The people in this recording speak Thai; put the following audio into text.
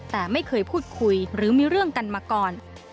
แต่ไม่เคยพูดคุยหรือมีเรื่องกันมาก่อน